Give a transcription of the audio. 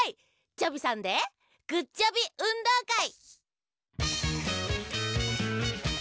チョビさんで「グッチョビうんどうかい」。